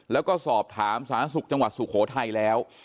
แล้วก็สอบถามสถานศึกจังหวัดสูโคไทยแล้ว